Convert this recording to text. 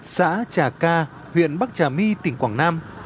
xã trà ca huyện bắc trà my tỉnh quảng nam